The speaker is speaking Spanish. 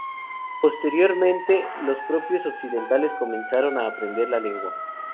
Posteriormente, los propios occidentales comenzaron a aprender la lengua.